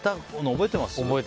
覚えてます。